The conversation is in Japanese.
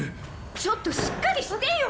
ちょっとしっかりしてよ！